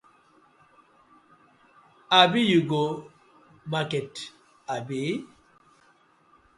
Abi you go market abi?